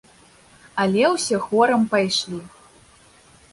Але ўсе хорам пайшлі.